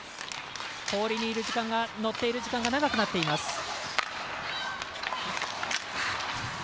氷に乗っている時間が長くなっています。